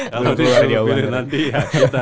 kalau disuruh pilih nanti ya